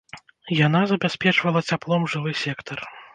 Яна забяспечвала цяплом жылы сектар.